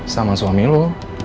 sama suami lu